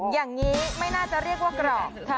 อย่างนี้ไม่น่าจะเรียกว่ากรอบ